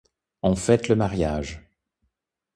On fête le mariage.